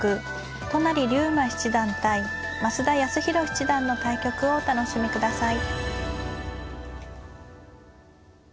都成竜馬七段対増田康宏七段の対局をお楽しみください。